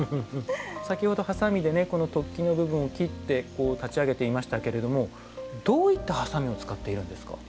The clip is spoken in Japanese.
先ほどハサミでねこの突起の部分を切って立ち上げていましたけれどもどういったハサミを使っているんですか？